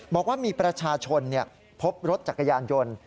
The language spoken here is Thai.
บอกว่ามีประชาชนพบรถจักรยานยนต์